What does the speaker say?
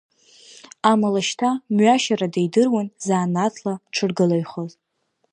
Амала шьҭа мҩашьарада идыруан занааҭла дшыргылаҩхоз.